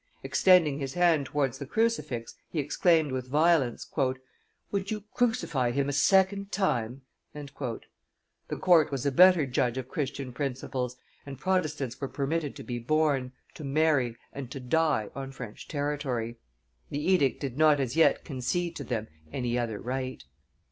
Extending his hand towards the crucifix, he exclaimed with violence: "Would you crucify him a second time?" The court was a better judge of Christian principles, and Protestants were permitted to be born, to marry, and to die on French territory. The edict did not as yet concede to them any other right.